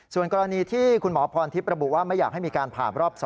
ส่วนกรณีที่คุณหมอพรทิพย์ระบุว่าไม่อยากให้มีการผ่ารอบ๒